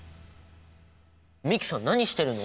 美樹さん何してるの？